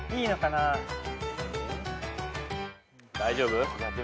大丈夫？